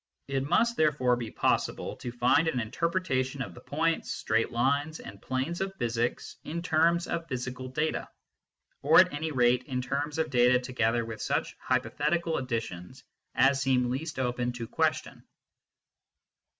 It must therefore be possible to find an interpretation of the points, straight lines, and planes of physics in terms of physical data, or at any rate in terms of data together with such hypo thetical additions as seem least open to question.